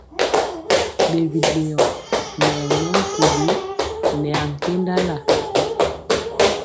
Ɗe biɗeyɔ nɛ ɔ nɔ nkuli nɛ ankendala.